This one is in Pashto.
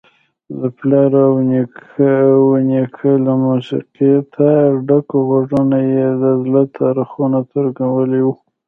د پلار ونیکه له موسیقیته ډکو غږونو یې د زړه تارونه ترنګولي وو.